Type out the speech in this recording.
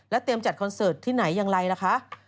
เตรียมจัดคอนเสิร์ตที่ไหนอย่างไรล่ะคะ